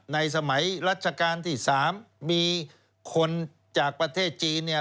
ในสมัยรัชกาลที่๓มีคนจากประเทศจีนเนี่ย